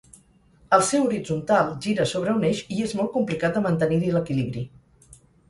Al ser horitzontal gira sobre un eix i és molt complicat de mantenir-hi l'equilibri.